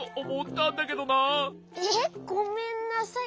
えっごめんなさい。